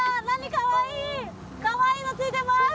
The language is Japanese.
かわいいのついてます。